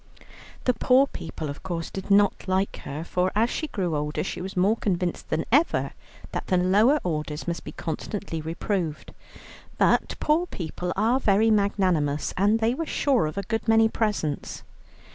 The poor people, of course, did not like her, for as she grew older she was more convinced than ever that the lower orders must be constantly reproved. But poor people are very magnanimous, and they were sure of a good many presents.